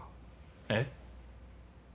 えっ？